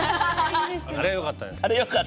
あれ、よかったですね。